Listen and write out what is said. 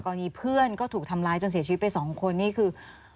แล้วก็มีเพื่อนก็ถูกทำลายจนเสียชีวิตไป๒คนนี่คือ